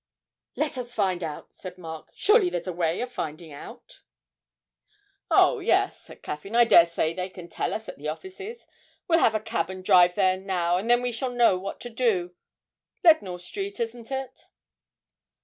'Let us find out,' said Mark; 'surely there's some way of finding out.' 'Oh yes,' said Caffyn. 'I dare say they can tell us at the offices. We'll have a cab and drive there now, and then we shall know what to do. Leadenhall Street, isn't it?'